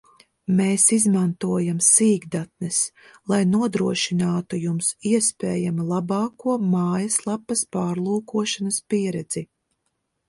Mēs izmantojam sīkdatnes, lai nodrošinātu Jums iespējami labāko mājaslapas pārlūkošanas pieredzi